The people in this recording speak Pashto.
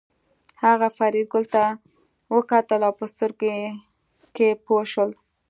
هغه فریدګل ته وکتل او په سترګو کې پوه شول